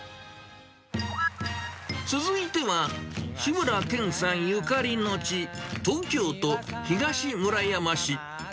続いては、志村けんさんゆかりの地、東京都東村山市。